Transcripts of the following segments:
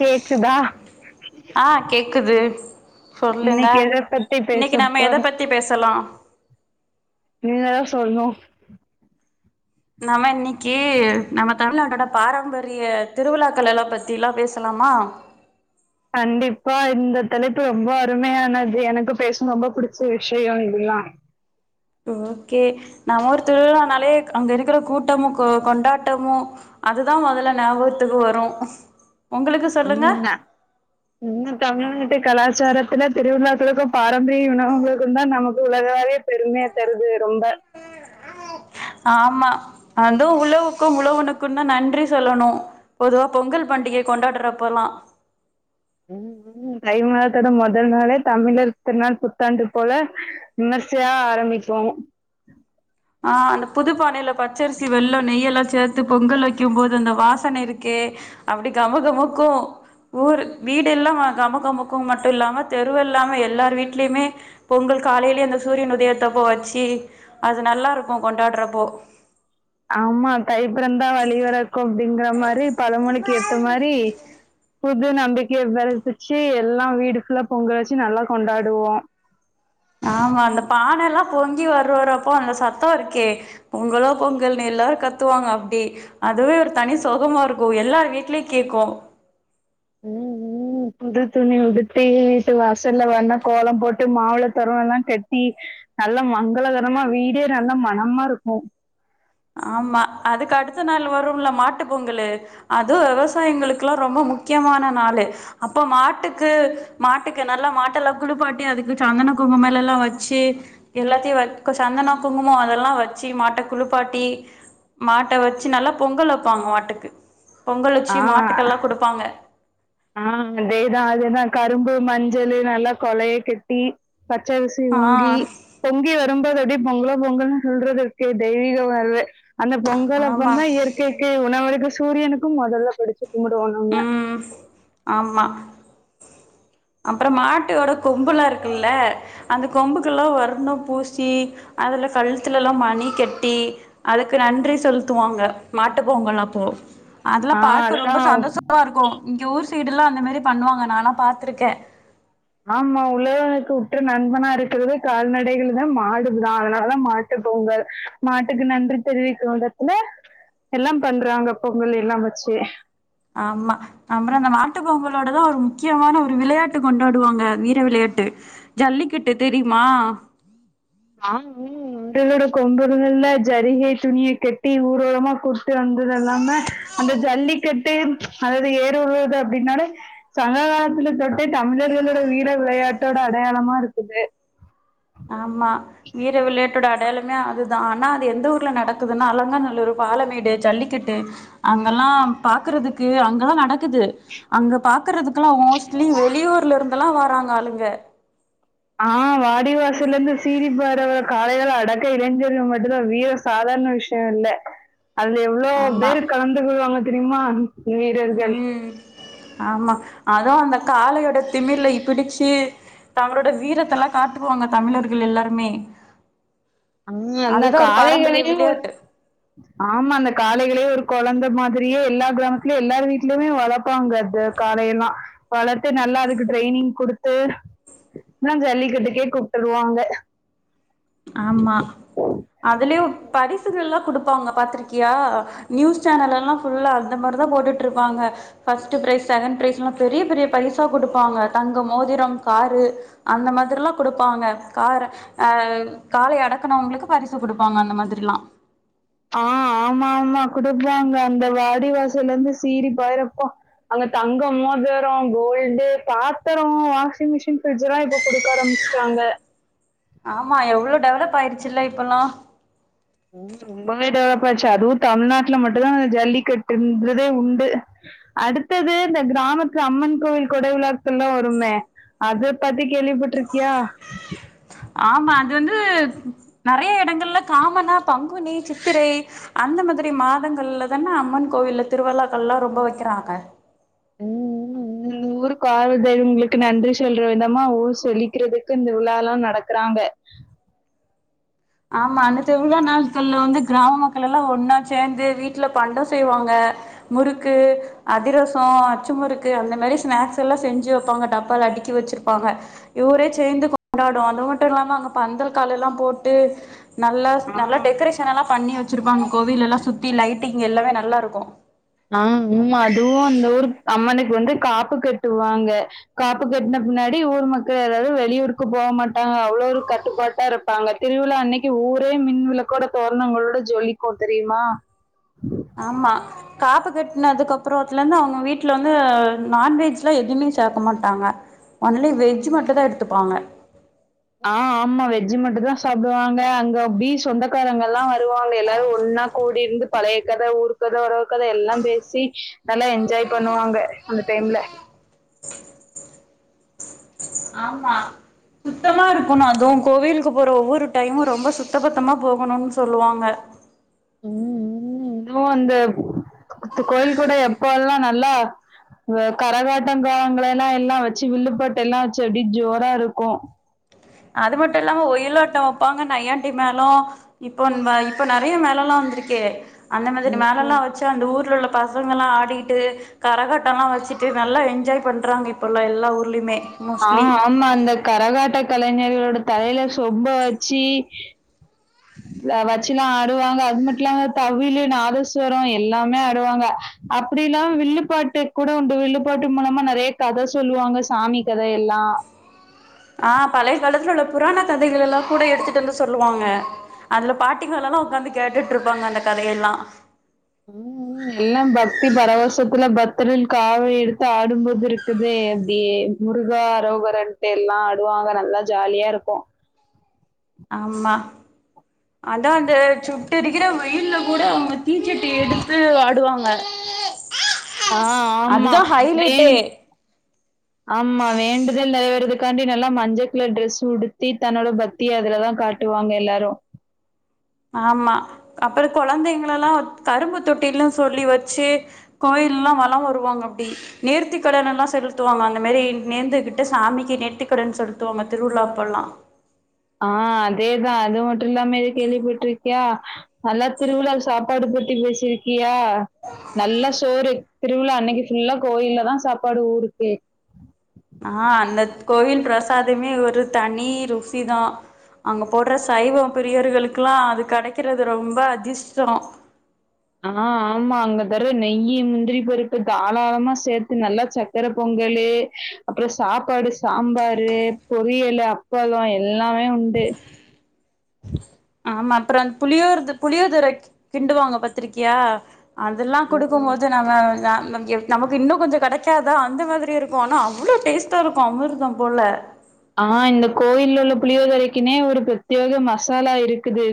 Cake குதா ஆ கேக் குது சொல்லுங்க இன்னைக்கு எத பத்தி பேச இன்னிக்கி நம்ம எத போறோம் பத்தி பேசலா நீங்க தா சொல்ணோ நம்ம இன்னிக்கி நம்ம தமிழ்நாட்டோட பாரம்பரிய திருவிழாக்கள் எல்லா பத்திலா பேசலாம கண்டிப்பா இந்த தலைப்பு ரொம்ப அருமையானது எனக்கு பேச ரொம்ப புடிச்ச விஷயோ இதல்லா ஓகே நம்மூரு திருவிழானாலே க் அங்க இருக்குற கூட்டமு கொ கொண்டாட்டமு அதுதா மொதல்ல ஞாபகத்துக்கு வரு ஒங்களுக்கு சொல்லுங்க இன்ன தமிழ்நாட்டு கலாச்சாரத்துல திருவிழாக்களுக்கு பாரம்பரிய உணவங்களுக்கு தா நமக்கு உலகலாவிய பெருமையா தருது ரொம்ப ஆமா அது உழவுக்கு உழவனுக்கு தா நன்றி சொல்லுணு பொதுவா பொங்கல் பண்டிக கொண்டாறப்பலா ம் ம் தைமாதத்தோட மொதல் நாளே தமிழர் திருநாள் புத்தாண்டு போல விமர்சையா ஆரம்பிக்கு ஆ அந்த புதுப்பானையில பச்சரிசி வெல்லோ நெய் எல்லா சேத் து பொங்கல் வைக்கும் போது அந்த வாசன இருக்கே அப்டி கமகமுக்கு ஊர் வீடெல்லா கமக்கமுக்கு மட்டு இல்லாம தெருவெல்லாமே எல்லார் வீட்லயுமே பொங்கல் காலையிலயே அந்த சூரியன் உதயத்தப்ப வச்சு அது நல்லாருக்கு கொண்டாட்றப்போ ஆமா தைப்பிறந்தா வழி வழிபிறக்கும் அப்டிங்கற மாரி பழமொழிக்கு ஏத்த மாரி புது நம்பிக்கையை வெதசுச்சு எல்லா வீடு புல்லா பொங்க வச்சு நல்லா கொண்டாடுவோ ஆமா அந்த பானை எல்லா பொங்கி வரவருப்ப அந்த சத்தோ இருக்கே பொங்கலோ பொங்கல்னு எல்லாரு கத்துவாங்க அப்டி அதுவே ஒரு தனி சொகமா இருக்கு எல்லாரு வீட்லயு கேக்கு ம் ம் ம் புது துணி உடுத்தி வீட்டு வாசல்ல வண்ணகோலம் போட்டு மாவெள தோரண எல்லா கட்டி நல்லா மங்களகரமா வீடே நல்லா மனமா இருக்கு ஆமா அதுக்கு அடுத்த நாள் வருல்ல மாட்டு பொங்கலு அது வெவசாயிங்களுக்கு ரொம்ப முக்கியமான நாளு அப்ப மாட்டுக்கு மாட்டுக்கு நல்லா மாட்டெல்லா குளிப்பாட்டிஅதுக்கு சந்தன குங்கும மேலலா வச்சு எல்லாத்தையு வ சந்தனொ குங்குமமா அதெல்லா வச்சு மாட்ட குழு பாட்டி மாட்ட வச்சு நல்லா பொங்கல் வெப்பாங்க மாட்டுக்கு பொங்கல் வச்சி ஆ மாட்டுக்கெல்லா குடுப்பாங்க ஆ அதேதா அதேதா கரும்பு மஞ்சள் நல்லா கொலைய கட்டி பச்சரிசி ஆ பொங்கி பொங்கி வரும்போது அப்டி பொங்கலோ பொங்கல்னு சொல்றது இருக்கே தெய்வீக உணர்வு அந்த பொங்கல் ஆமா அப்பந்தா இயற்கைக்கி உணவருக்கு சூரியனுக்கும் மொதல்ல படிச்சு கும்புடுவோ நம்ம ம் ஆமா அப்ரோ மாட்டோட கொம்புல்லா இருக்குல்ல அந்த கொம்புக்கெல்லா வர்ணம் பூஸ் ச்சி அதுல கழுத்துல எல்லா மணி கட்டி அதுக்கு நன்றி சொலுத்துவாங்க மாட்டுப்பொங்கல்லப்போ அதெல்லா ஆ பாக்க அதா ரொம்ப சந்தோஷோ ரா இருக்கு இங்க ஊர் சைடு எல்லா அந்த மேரி பண்ணுவாங்க நானெல்ல பாத்திருக்கே ஆமா உழேகனுக்கு உட்ற நண்பனா இருக்குறது கால்நடைகள் தா மாடுகுதா அதனாலதா மா ட்டு பொங்கல் மாட்டுக்கு நன்றி தெரிவிக்கு விதத்துல எல்லா பண்றாங்க பொங்கல் எல்லா வச்சு ஆமா அப்பரோ அந்த மாட்டு பொங்கலோட தா ஒரு முக்கியமான ஒரு விளையாட்டு கொண்டாடுவாங்க வீர விளையாட்டு ஜல்லிக்கட்டு தெரிமா ஆம் ம் [unintelligible] கொம்பு இருந்துருந்தா ஜரிகை துணிய கட்டி ஊர்வலமா கூட் ட்டு வந்தது இல்லாம அந்த ஜல்லிக்கட்டு அதாது ஏறுஉழுர்து அப்டின்னாலே சங்க காலத்துல தொட்டே தமிழர்களோட வீர விளையாட்டோட அடையாளமா இருக்குது ஆமா வீர விளையாட்டோட அடையாளமே அதுதா ஆனா அது எந்த ஊர்ல நடக்குது துன்னா அலாங்காநல்லூரு பாலமேடு ஜல்லிக்கட்டு அங்கல்லா பாக்றதுக்கு அங்கதா நடக் க்குது அங்க பாக்றதுக்குல்லா மோஸ்ட்லி வெளியூர்ல இருந்தெல்லா வராங்க ஆளுங்க ஆ வாடிவாசல்லர்ந்து சீரிப்பாய்ற காளைகள அடக்க இளைஞர்கள் மட்டுந்தா வீர சாதாரண விஷய ஷயொல்ல அதுல எவ்ளோ ஆமா பேரு கலந்துக்குவாங்க தெரிமா வீரர்கள் ம் ஆமா அதூ அந்த காளையோட திமிலை பிடிச்சு தங்களோட வீரத்தல்லா காட்டுவாங்க தமிழர்கள் எல்லாருமே ம் எல்லா அதுதா ஒரு பாரம்பரிய காளைகளையு விளையாட்டு ஆமா அந்த காளைகளே ஒரு கொழந்த மாதிரியே எல்லா கிராமத்துலயு எல்லார் வீட்லயுமே வளப்பாங்க அது காளையெல்லா வளத்து நல்லா அதுக்கு ட்ரெய்னிங் குடுத்து அப்ற ஜல்லிகட்டுக்கே கூப்ட்டருவாங்க ஆமா அதுலயு பரிசுகள்ல்லா குடுப் பாங்க பாத்ரிக்கியா நியூஸ் சேனல்ல்லா ஃபுல்லா அந்த மாரி தா போட்டுட்ருப்பாங்க பஃர்ஸ்ட்டு ப்ரைஸ் செகண்ட் ப்ரைஸ் லா பெரிய பெரிய பரிசா குடுப்பாங்க தங்க மோதிரம் காரு அந்த மாதிரல்லா குடுப்பாங்க கார அ காளய அடக்குனவங்களுக்கு பரிசு குடுப்பாங்க அந்த மாதிரிலா ஆ ஆமா ஆமா குடுப்பாங்க அந்த வாடிவாசல்லருந்து சீறி பாயிரப்போ அங்க தங்கம் மோதரோ கோல்டு பாத்தரோ வாஷிங் மிஷின் ஃபரிட்ஜ் லா இப்போ குடுக்க ஆரம்ச்ட்டாங்க ஆமா எவ்ளோ டெவலப் ஆயிடிச்சில்ல இப்பெல்லா ம் ரொம்பவே டெவலப் ஆச்சு அதுவு தமிழ்நாட்டுல மட்டுந்தா ஜல்லிக்கட்டுன்றதே உண்டு அடுத்தது இந்த கிராமத்து அம்மன் கோயில் கொட விழாக்கள்லா வருமே அத பத்தி கேள்விப்பட்ருக்கியா ஆமா அது வந்து நறைய எடங்கள்ல காமனா பங்குனி சித்திரை அந்த மாதிரி மாதங்கள்ல தான அம்மன் கோவில்ல திருவிழாக்கள் எல்லா ரொம்ப வைக்கிறாங்க ம் இந்த ஊர் காவல் தெய்வங்களுக்கு நன்றி சொல்ற விதமா ஊர் சொல்லிக்கிறதுக்கு இந்த விழாலல்லா நடக்றாங்க ஆமா அந்த திரு விழா நாட்கள்ல வந்து கிராம மக்கள்லா ஒன்னா சேந்து வீட்ல பண்டொ செய்வாங்க முறுக்கு அதிரசொ அச்சு முறுக்கு அந்த மாரி ஸ்நாக்ஸ்ஸல்லா செஞ்சு வைப்பாங்க டப்பால அடுக்கி வச்சிருப்பாங்க ஊரே சேந்து கொண்டாடு அது மட்டு இல்லாம அங்க பந்தல் காலெல்லா போட்டு ட்டு நல்லா ஆ நல்லா டெக்கரேஷ் ன நல்லா பன்னி வச்சிருப்பாங்க கோவிலல்லா சுத்தி லைட்டிங் எல்லாமே நல்லா இருக்கூ ஆ உ அதுவு அந்த ஊரு அம்மனுக்கு வந்து காப்பு கெட்டுவாங்க காப்பு கட்ன பின்னாடி ஊர் மக்கள் ஏதாது வெளியூருக்கு போ மாட்டாங்க அவ்ளோ ஒரு கட்டுப்பாட்டா இருப் ப்பாங்க திருவிழா அன்னக்கி ஊரே மின் விளக்கோட தோரணங்களோட ஜொலிக்கூ தெரியுமா ஆமா காப்பு கட்னதுக்கு அப்றத்துல இருந்து அவுங்க வீட்ல வந்து நான்வெஜ்ல்லா எதுமே சேக்க மாட்டாங்க ஒன்லி வெஜ் மட்டுந்தா எடுத்துப்பாங்க ஆ ஆமா வெஜ் மட்டுந் தா சாப்டுவாங்க அங்க அப்டி சொந்தக்காரங்கள்லா வருவாங்க எல்லாரு ஒன்னா கூடிருந்து பழைய கத ஊர் கத ஒறவு கத எல்லாம் பேசி நல்லா என்ஜாய் பன்னுவாங்க அந்த டைம்ல ஆமா சுத்தமா இருக்கணு அதுவு கோவிலுக்கு போற ஒவ்வொரு டைமு ரொம்ப சுத்த பத்தமா போகணுனு சொல்லுவாங்க ம் ம் வு இந்து கோயில்கோட எப்ப எல்லா நல்லா கரகாட்டம் காலங்கள எல்லா எல்லா வச்சு வில்லுப்பட்டு எல்லா வச்சு அப்டி ஜோரா இருக்கு அது மட்டு இல்லாம ஒயில்ஓட்டோ வெப்பாங்க நையாண்டி மேலோ இப்போ இப்ப நிறைய மேல எல்லா வந்திருக்கு அந்த மாதிரி ம், மேல எல்லா ம். ச்ச அந்த ஊரில உள்ள பசங்களா ஆடிகிட்டு கரகாட்டோ எல்லா வச்சுட்டு நல்லா என்ஜாய் பண்றாங்க இப்பல்லா எல்லா ஊர்லேயுமே ஆ ஆமா அந்த கரகாட்ட கலைஞர்களோட தலையில சொப்ப வச்சி அத வச்சு எலா ஆடுவாங்க அது இல்லாம தவிழு நாதஸ்சுவரோ எல்லாமே ஆடுவாங்க அப்டி இல்லாம வில்லுபாட்டு கூட உண்டு வில்லுப்பாட்டு மூலமா நிறைய கத சொல்லுவாங்க சாமி கத எல்லா ஆ பழைய காலத்தில உள்ள புராண கதைகள் எல்லா கூட எடுத்துக்ட்டு வந்து சொல்லுவாங்க அதுல பாட்டிக லலா உக்காந்து கேட்டுட்டு இருப்பாங்க அந்த கதயெல்லா ம் எல்லா பக்தி பரவஷத்துல பத்திரில் காவை எடுத்து ஆடும்போது இருக் இருக்குது அப்டி முருகா அரோகரன்ட்டு எல்லா ஆடுவாங்க நல்லா ஜாலியா இருக்கு ஆமா அதாது சும் இங்கருக்கிற வெயில்ல கூட அவ்ங்க தீச்சட்டி எடுத்து ஆடுவாங்க ஆ ஆமா. அதுதா ஹைலைட்டே வேண் ஆமா வேண்டுதல் நிறைவேறதுக்காண்டி நல்லா மஞ்சக்குல டிரெஸ் உடுத்தி தன்னோட ப பத்தி அதுலதா காட்டுவாங்க எல்லாரு ஆமா அப்புறோ குழந்தைங்கள எல்லா கரும்பு தொட்டிலு சொல்லி வச்சு கோயில் ல்லா வளோ வருவாங்க அப்டி நேர்த்திக்கடன் எல்லா செலுத்துவாங்க அந்த மேரி நேர்ந்துகிட்டு சாமிக்கு நேர்த்திக்கடன் செலுத்துவாங்க திருவிழாப்ப எல்லா ஆ அதேதா அது மட்டு இல்லாமே இது கேள்விப்பட்ருக்கியா நல்லா திருவிழா சாப்பாடு போட்டி பேசிருக்கியா நல்லா சோறு திருவிழா அன்னைக்கி ஃபுல்லா கோயில்ல தா சாப்பாடு ஊருக்கே ஆ அந்த கோவில் பிரசாதமே ஒரு தனி ருசி தா அங்க போடுற சைவோ பிரியவர்களுக்கெலா அது கெடைக்கிறது ரொம்ப அதிர்ஷ்டோ ஆ ஆமா அங்க தரு நெய்யி முந்திரி பருப்பு தாளமா சேத்து நல்லா ச்ச சக்கர பொங்கல்லு அப்புறோ சாப்பாடு சாம்பாரு பொரியலு அ அப்பலோ எல்லாமே உண்டு ஆமா அப்புறோ அ புளியோர்து புளியோ தரைக் கிண்டுவாங்க பாத்திரிக்கியா அதெல்லா ம் கொடுக்கும் போது நம்ம நம் எப் நமக்கு இன்னு கொஞ்சோ கெடைக்காதா அந்த மாதிரி இருக்கு ஆனா அவ்வளோ டேஸ்ட்டா இருக்கு அமிர்தம் போல ஆ இந்த கோயில்லுல்ல புளியோத ரைக்குனே ஒரு பிரத்யோக மசாலா இருக்குது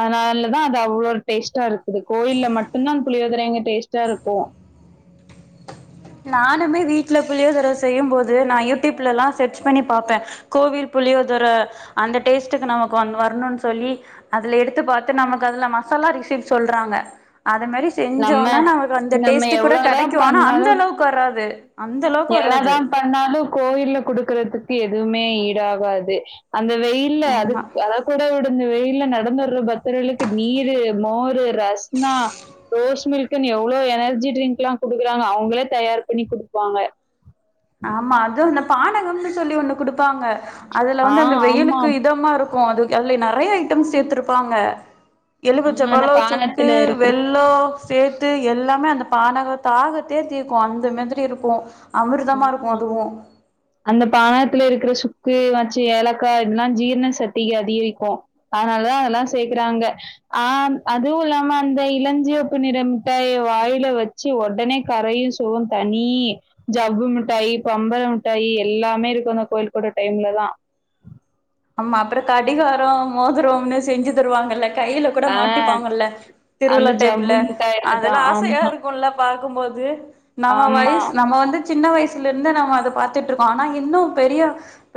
அதனாலதா அது அவ்ளோ ஒரு டேஸ்ட்டா இருக்கு கோயில மட்டுதா புளியோதிரெங்க டேஸ்ட்டா இருக்கு நானுமே வீட்ல புளியோதர செய்யும் போது நா யூடியூப்லல்லா செர்ச் பண்ணி பாப்பே கோவில் புளியோதுர அந்த டேஸ்ட்டுக்கு நமக்கு வ வரணுன் சொல்லி அதுல எடுத்து பாத்து நமக்கு அதுல மசாலா ரிசீப் சொல்றாங்க அத மேரி நம்ம செஞ்சோனா நமக்கு அந்த நம்ம டேஸ்ட்டு கூட எவ்ளோதான் கிடைக்கு ஆனா அந்த பண்ணாலும் அளவ்க்கு வராது அந்த அளவ்க்கு வராது ந்தாலு கோயில குடுக்கறதுக்கு எதுவுமே ஈடாகாது அந்த வெயில் இல்ல ஆமா அதுக் அதாத் குடு விடு இந்த வெயில நடந்து வர்ற பத்தர்களுக்கு நீரு மோரு ரஸ்னா ரோஸ் மில்குன்னு எவ்ளோ எனர்ஜி ட்ரிங்க்ல்லா குடுக்குறாங்க அவ்ங்களே தயார் பண்ணி குடுப்பாங்க ஆமா அது அந்த பானகம்னு சொல்லி ஒண்ணு குடுப்பாங்க அதுல ஆ வந்து அந்த ஆமா. வெயிலுக்கு இதமா இருக்கு அது அதுல நிறைய ஐட்டம்ஸ் சேத்திருப்பாங்க ஆ எலுமிச்ச அந்த பலோ சுக்கு பானத்துல இருக்கிற வெள் லோ சேத்து எல்லாமே அந்த பானகோ தாகத்தே தீகு அந்த மாதிரி இருக்கு அவரு உம் அந்த பானகத்துல இருக்கிற சுக்கு வச்சு ஏலக்காய் இதெல்லா ஜீரண சக்திக அதிகரிக்கு அதனாலதா அதெலா சேக்குறாங்க அ அதுவு இல்லாம அந்த இளஞ்சிவப்பு நிறமிட்டாய வாயில வச் ச்சு ஒடனே கரையு சுகம் தனி ஜவ்வு மிட்டாயி பம்பர மிட்டாயி எல்லாமே இருக்கு அந்த கோயில் குட டைம்ல தா ஆமா அப்பற கடிகாரோ மோதுரோம்னு செஞ்சி தருவாங்கல்ல கைல கூட ஆ மாட்டிப்பாங்கல்ல அந்த திருவிழா ஜவ்வு டைம்ல மிட்டாய் அதுதா அதெலா ஆசையா ஆமா இருகுல்ல பாக்கும்போது நம்ம ஆமா வயச் நம்ம வந்து சின்ன வயசுல இருந்து நம்ம அத பாத்துட்ருக்கோ ஆனா இன்னு பெரிய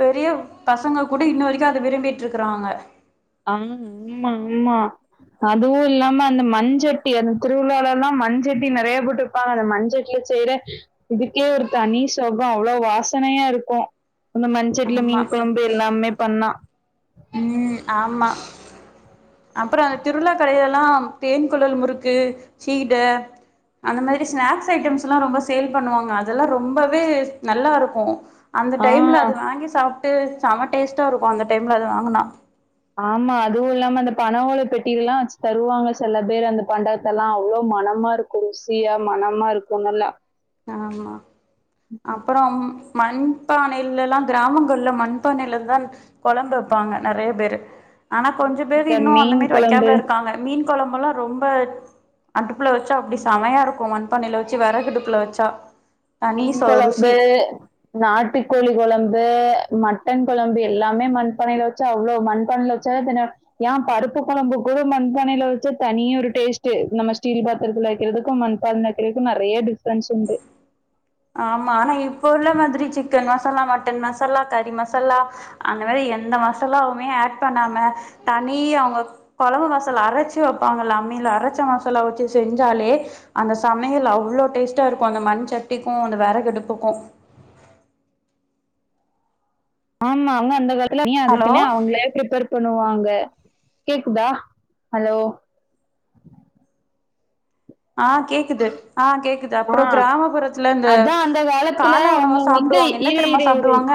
பெரிய பசங்க கூட இன்ன வரைக்கு அத விரும்பிட்ருக்குறாங்க ஆஹ் ம்மாம்மா அதுவு இல்லாம அந்த மண்சட்டி அந்த திருவிழாலலா மண்சட்டி நெறைய போட்டு ப்பாங்க அந்த மண்சட்டில செய்ற இதுக்கே ஒரு தனி சொகோ அவ்ளோ வாசனையா இருக்கு அந்த மண்சட்டில ஆமா மீன் கொழம்பு எல்லாமே பண்ணா ம் ஆமா அப்பற அந் திருவிழா கடையெல்லா தேன் குழல் முறுக்கு சீட அந்தமேதிரி ஸ்நாக்ஸ் ஐட்டம்ஸ்லா ரொம்ப சேல் பண்ணுவாங்க அதெல்லா ரொம்பவே நல்லாருக்கு அந்த ஆ டைம்ல அது வாங்கி சாப்ட்டு செம டேஸ்ட்டா இருக்கு அந்த டைம்ல அது வாங்கனா ஆமா அதுவு இல்லாம அந்த பணவோள பெட்டில்லா வச்சு தருவாங்க செல பேர் அந்த பண்டத்தலா அவ்ளோ மணமாருக் கு ருசியா மணமா இருக்கு நல்லா ஆமா அப்பறம் மண்பானையிலலா கிராமங்கள்ல மண்பானையில தா கொழம்பு வெப்பாங்க நெறைய பேரு ஆனா கொஞ்ச பேரு இந்த இன்னு மீன் அந்தமேரி கொழம்பு வெக்காமலு இருக்காங்க மீன் கொழம்பெலா ரொம்ப அடுப்புல வச்சா அப்டி சமையா இருக்கு மண்பானையில வச்சு வெறகடுப்புல வச் ச்சா மீன் கொழம்பு நாட்டுக்கோழி கொழம்பு மட்டன் கொழம்பு எல்லாமே மண்பானைல வச்சா அவ்ளோ மண்பானைல ச தின யா பருப்பு கொழம்பு கூட மண்பானைல வெச்சா தனி ஒரு டேஸ்டு நம்ம ஸ்டீல் பாத்திரத்துல வெக்கிறதுக்கு மண் பானைல வெக்கிறதுக்கு நெறைய டிஃப்ரென்ஸ் உண்டு ஆமா ஆனா இப்ப உள்ள மாதிரி சிக்கன் மசாலா மட்டன் மசாலா கறி மசாலா அந்தமேரி எந்த மசாலாவுமே ஆட் பண்ணாம தனி அவுங்க கொழம்பு மசாலா அரைச்சு வெப்பாங்கல அம்மில அரைச்ச மசாலா வச்சு செஞ்சாலே அந்த சமையல் அவ்ளோ டேஸ்டா இருக்கு அந்த மண் சட்டிக்கு அந்த விறகடுப்புக்கு ஆமா அவுங்க அந்த காலத்துல ஹலோ அதுக்குனே அவுங்களே பிரப்பேர் சொல்லுவாங்க கேக்குதா ஹலோ ஆ கேக்குது ஆ கேக்குது ஆ அப்பற கிராமப்புறத்துல இந்த அதான் அந்த காலத்துல கால உணவ அவங்க வந்து சாப்டுவாங்க என்ன இரு தெரியும்மா இரு இரு. சாப்டுவாங்க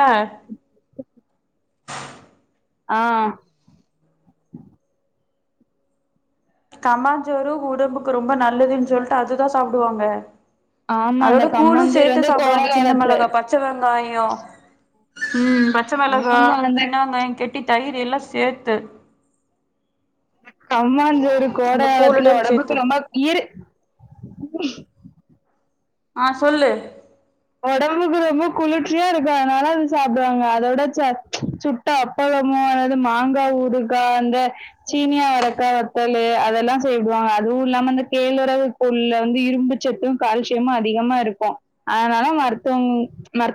ஆ கம்மா சோறு ஒடம்புக்கு ரொம்ப நல்லதுன் சொல்ட்டு அதுதா சாப்டுவாங்க ஆமா அந்த அதோட கூழு கம்மஞ்சோறு சேத்து வந்து கோட சாப்டுவாங்க‌ சின்ன காலத்துல மிளகா பச் பச்ச வெங்காயோ ம் பச்ச மெளகா ஆமா அந்த சின்ன வெங்காய கெட் ட்டி தயிரு எல்லா சேத்து கம்மாஞ்சோறு கோட அந்த காலத்துல கூழுடன் சேத்து ஒடம்புக்கு ரொம்ப ஈறு ஆ சொல்லு ஒடம்புக்கு ரொம்போ குளிர்ச்சியா இருக்கு அதனால அத சாப்புடுவாங்க அதோட‌ சட் சுட் ட்ட அப்பளமோ அதாவது மாங்கா ஊருக்கா அந்த சீனியவரக்கா வத்தலு அதெல்லா சேக்குவாங்க அதுவு இல்லாம இந்த கேழ்வரகு கூழ்ல வந்து இரும்பு சத்து கால்சியமு அதிகமா இருக்கு அதனால மருத்துவம் மர்